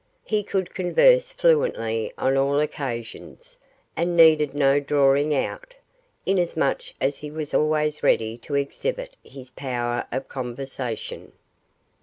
He could converse fluently on all occasions, and needed no drawing out, inasmuch as he was always ready to exhibit his powers of conversation.